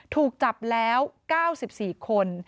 ถูกจับแล้ว๙๔คน